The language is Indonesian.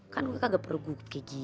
kan gue kagak perlu gugup kayak gini